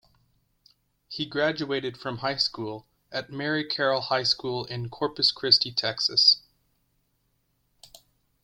He graduated from high school at Mary Carroll High School in Corpus Christi, Texas.